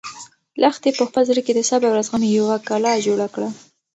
لښتې په خپل زړه کې د صبر او زغم یوه کلا جوړه کړه.